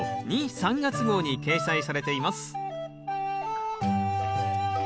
・３月号に掲載されています